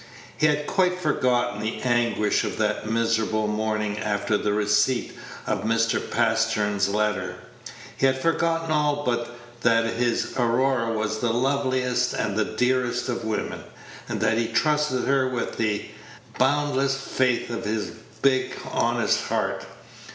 He had quite forgotten the anguish of that miserable morning after the receipt of Mr. Pastern's letter. He had forgotten all but that his Aurora was the loveliest and dearest of women, and that he trusted her with the boundless faith of his big, honest heart.